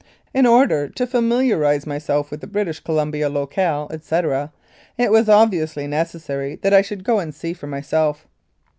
In order to familiarise myself with the British Columbia locale, etc., it was obviously necessary that I should go and see for myself.